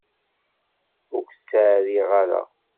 Ur k-ttɛerriɣ ara.